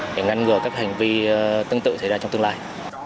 để ngăn ngừa các hành vi tương tự xảy ra trong tương lai